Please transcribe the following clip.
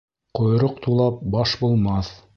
Ҡойроҡ тулап баш булмаҫ.